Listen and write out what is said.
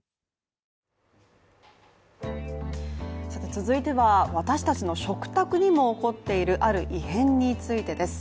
続いては、私たちの食卓にも起こっているある異変についてです。